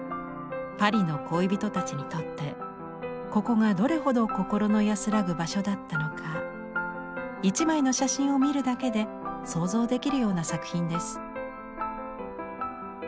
パリの恋人たちにとってここがどれほど心の安らぐ場所だったのか１枚の写真を見るだけで想像できるような作品です。